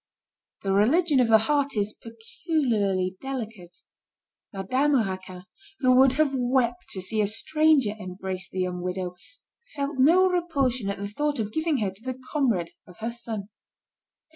The religion of the heart is peculiarly delicate. Madame Raquin, who would have wept to see a stranger embrace the young widow, felt no repulsion at the thought of giving her to the comrade of her son.